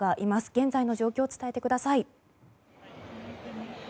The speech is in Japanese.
現在の状況を伝えてください。